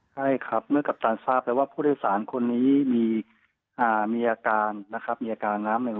ใช่ครับเมื่อกัปตันทราบแล้วว่าผู้โดยสารคนนี้มีอาการนะครับมีอาการน้ำหนึ่ง